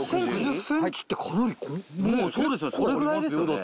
それぐらいですよね。